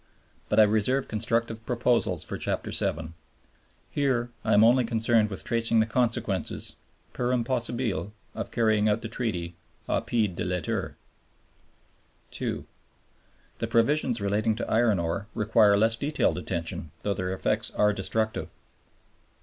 But I reserve constructive proposals for Chapter VII. Here I am only concerned with tracing the consequences, per impossibile, of carrying out the Treaty au pied de lettre. (2) The provisions relating to iron ore require less detailed attention, though their effects are destructive.